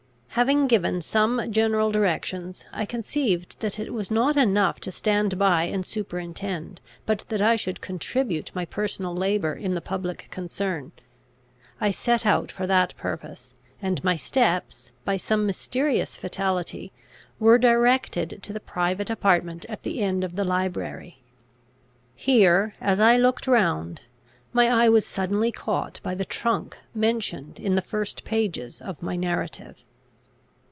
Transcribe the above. Having given some general directions, I conceived, that it was not enough to stand by and superintend, but that I should contribute my personal labour in the public concern. I set out for that purpose; and my steps, by some mysterious fatality, were directed to the private apartment at the end of the library. Here, as I looked round, my eye was suddenly caught by the trunk mentioned in the first pages of my narrative.